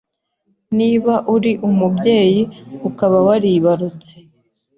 Niba uri umubyeyi ukaba waribarutse